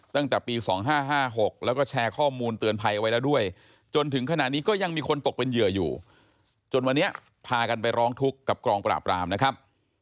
ตั้งแต่ปี๒๕๕๖แล้วก็แชร์ข้อมูลเตือนภัยเอาไว้แล้วด้วยจนถึงขณะนี้ก็ยังมีคนตกเป็นเหยื่ออยู่จนวันนี้พากันไปร้องทุกข์กับกองปราบรามนะครับ